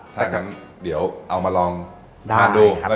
ถ้างั้นเดี๋ยวเอามาลองการดูได้ครับ